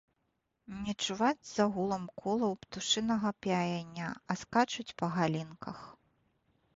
Не чуваць за гулам колаў птушынага пяяння, а скачуць па галінках.